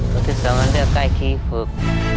มันคือสำนักเลือกกายขี้ฝึก